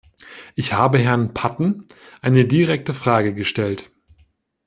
Ich habe Herrn Patten eine direkte Frage gestellt.